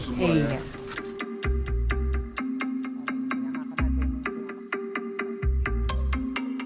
sepeda di gantung semuanya